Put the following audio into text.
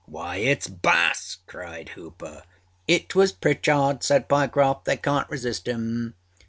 âWhy, itâs Bass,â cried Hooper. âIt was Pritchard,â said Pyecroft. âThey canât resist him.